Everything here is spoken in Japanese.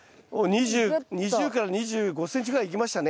２０から２５ｃｍぐらいいきましたね